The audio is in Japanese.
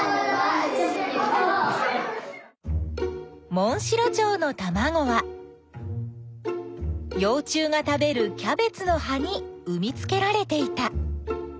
モンシロチョウのたまごはよう虫が食べるキャベツのはにうみつけられていた。